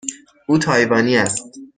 او تایوانی است.